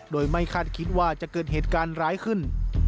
โดยไม่คาดคิดว่าจะเกิดเหตุการณ์ร้ายขึ้น